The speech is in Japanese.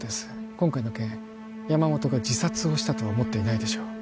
今回の件山本が自殺をしたとは思っていないでしょう